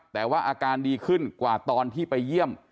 แต่ว่าอาการดีขึ้นกว่าตอนที่ไปเยี่ยม